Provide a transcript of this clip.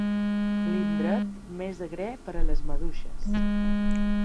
L'indret més agrer per a les maduixes.